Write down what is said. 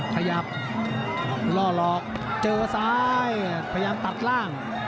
ขยับล่อหลอกเจอซ้ายพยายามตัดล่าง